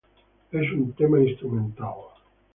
Es un tema instrumental.